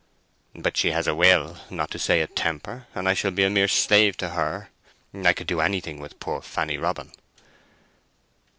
"But she has a will—not to say a temper, and I shall be a mere slave to her. I could do anything with poor Fanny Robin."